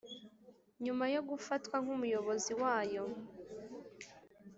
Nyuma yo gufatwa, k umuyobozi wayo